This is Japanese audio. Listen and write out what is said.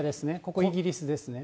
ここイギリスですね。